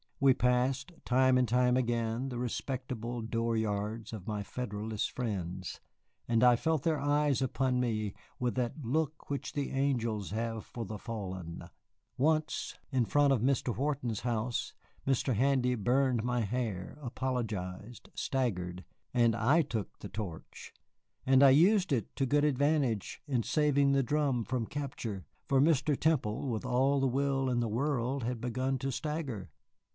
We passed time and time again the respectable door yards of my Federalist friends, and I felt their eyes upon me with that look which the angels have for the fallen. Once, in front of Mr. Wharton's house, Mr. Handy burned my hair, apologized, staggered, and I took the torch! And I used it to good advantage in saving the drum from capture. For Mr. Temple, with all the will in the world, had begun to stagger.